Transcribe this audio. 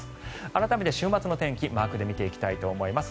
改めて週末の天気マークで見ていきたいと思います。